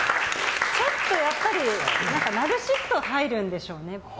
ちょっと、やっぱりナルシスト入るんでしょうね。